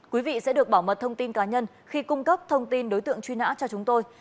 quý vị sẽ được bảo mật thông tin cá nhân khi cung cấp thông tin đối tượng truy nã cho chúng tôi